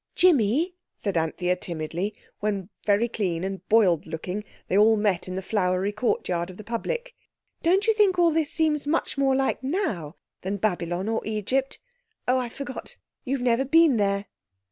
"Jimmy," said Anthea timidly, when, very clean and boiled looking, they all met in the flowery courtyard of the Public, "don't you think all this seems much more like now than Babylon or Egypt—? Oh, I forgot, you've never been there."